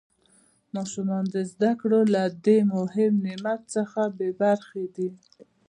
ماشومان د زده کړو له دې مهم نعمت څخه بې برخې دي.